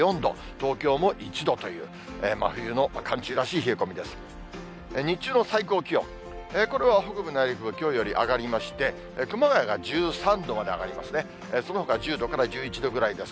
東京も１度という、真冬の寒中らしい冷え込みです。